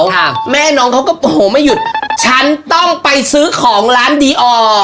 ค่ะแม่น้องเขาก็โอ้โหไม่หยุดฉันต้องไปซื้อของร้านดีออร์